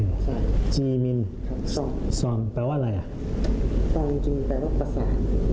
ซองจริงแปลว่าภาษา